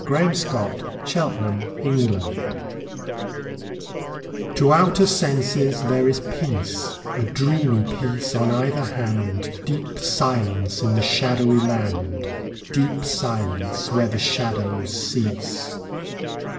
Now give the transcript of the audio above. fi4S] II LA FUITE DE LA LUNE TO outer senses there is peace, A dreamy peace on either hand, Deep silence in the shadowy land, Deep silence where the shadows cease.